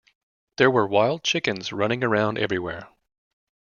There were wild chickens running around everywhere.